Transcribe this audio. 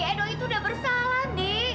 edo itu udah bersalah nih